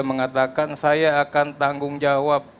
mengatakan saya akan tanggung jawab